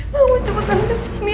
kamu cepetan kesini